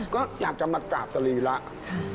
ก็อยากจะมากราบสรีระ